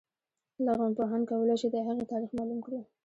لرغونپوهان کولای شي د هغې تاریخ معلوم کړي.